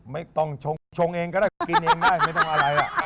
ไม่ต้องชงก็ชงเองก็ได้ก็กินเองได้ไม่ต้องอะไร